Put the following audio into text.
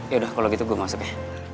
yaudah kalau gitu gue masuk ya